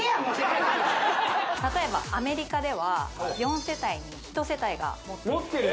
はい例えばアメリカでは４世帯に１世帯が持っていると持ってる？